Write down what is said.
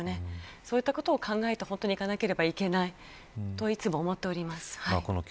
そういうことを考えていかなければいけないと、いつも思っております。